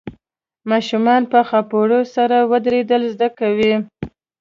ماشومان په خاپوړو سره ودرېدل زده کوي.